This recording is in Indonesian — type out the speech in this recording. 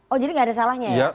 oh jadi gak ada salahnya ya